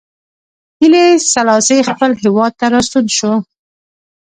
هیلي سلاسي خپل هېواد ته راستون شو.